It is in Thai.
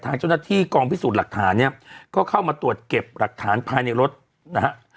ทางเจ้าหน้าที่กองพิสูจน์หลักฐานเนี่ยก็เข้ามาตรวจเก็บหลักฐานภายในรถนะฮะ